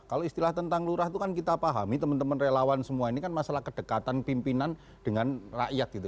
kalau istilah tentang lurah itu kan kita pahami teman teman relawan semua ini kan masalah kedekatan pimpinan dengan rakyat gitu